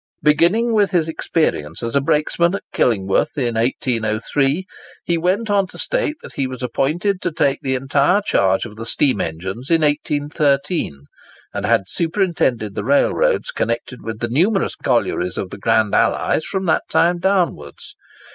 Beginning with his experience as a brakesman at Killingworth in 1803, he went on to state that he was appointed to take the entire charge of the steam engines in 1813, and had superintended the railroads connected with the numerous collieries of the Grand Allies from that time downwards.